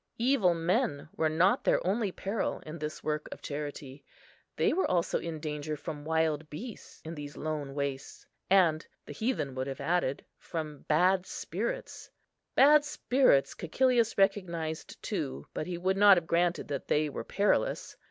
Evil men were not their only peril in this work of charity. They were also in danger from wild beasts in these lone wastes, and, the heathen would have added, from bad spirits. Bad spirits Cæcilius recognised too; but he would not have granted that they were perilous.